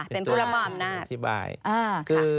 เป็นผู้รับมอบอำนาจ